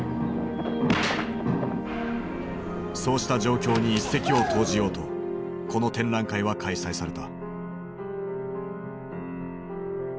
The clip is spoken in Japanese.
そうした状況に一石を投じようとこの展覧会は開催された。